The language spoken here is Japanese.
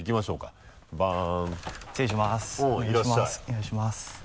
お願いします。